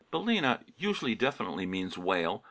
Batena usually definitely means whale.